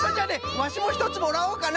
ワシもひとつもらおうかな。